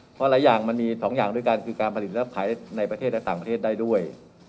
เพราะหลายอย่างมันมี๒อย่างด้วยกันคือการผลิตและขายในประเทศและต่างประเทศได้ด้วย